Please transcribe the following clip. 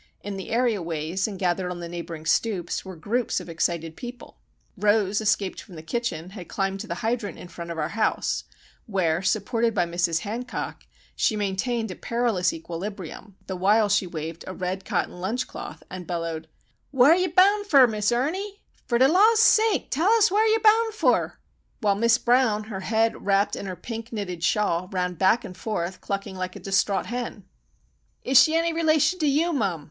In the area ways, and gathered on the neighbouring stoops, were groups of excited people. Rose, escaped from the kitchen, had climbed the hydrant in front of our house, where, supported by Mrs. Hancock, she maintained a perilous equilibrium, the while she waved a red cotton lunch cloth and bellowed,— "Whar yer boun' fer, Miss Ernie? Fer de Law's sake tell us whar yer boun' fer?" While Miss Brown, her head wrapped in her pink knitted shawl, ran back and forth, clucking like a distraught hen. "Is she any relation to you, mum?"